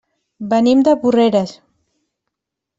Venim de Porreres.